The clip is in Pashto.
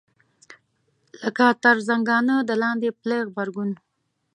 لکه تر زنګانه د لاندې پلې غبرګون.